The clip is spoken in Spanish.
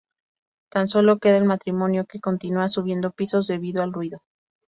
Tan solo queda el matrimonio, que continúa subiendo pisos debido al ruido.